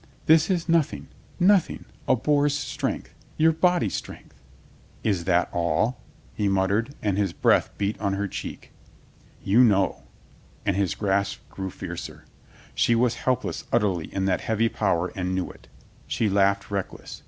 "This is nothing — nothing — ^a boor's strength, your body strength." "Is that all?" he muttered and his breath beat on her cheek. "You know," and his grasp grew fiercer. She was helpless utterly in that heavy power and knew it She laughed reckless.